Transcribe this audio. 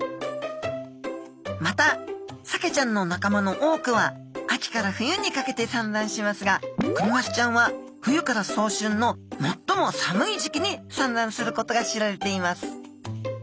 またサケちゃんの仲間の多くは秋から冬にかけて産卵しますがクニマスちゃんは冬から早春の最も寒い時期に産卵することが知られています。